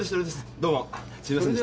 どうもすいませんでした。